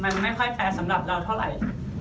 มันไม่ค่อยแฟร์สำหรับเราเท่าไหร่